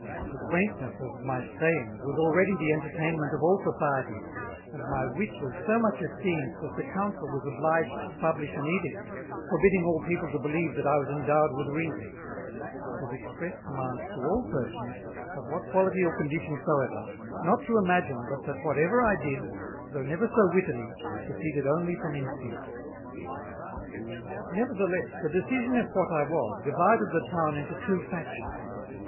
The Quaintness of my Sayings was already the entertainment of all Societies, and my Wit was so much esteemed that the Council was obliged to Publish an Edict, forbidding all People to believe that I was endowed with Reason; with express Commands to all Persons, of what Quality or Condition soever, not to imagine but that whatever I did, though never so wittily, proceeded only from Instinct. Nevertheless, the decision of what I was, divided the Town into Two Factions.